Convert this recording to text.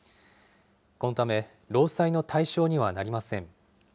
このため、労災の対象にはなりません。